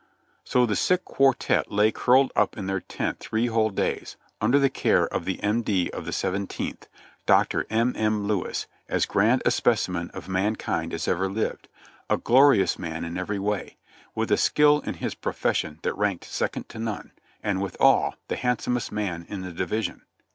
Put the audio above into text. So the sick quar tette lay curled up in their tent three whole days, under the care of the M. D. of the Seventeenth, Doctor M. M. Lewis, as grand a specimen of mankind as ever lived; a glorious man in every way ; with a skill in his profession that ranked second to none, and withal, the handsomest man in the division.